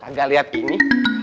kagak liat ini